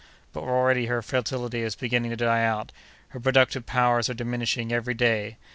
But already her fertility is beginning to die out; her productive powers are diminishing every day.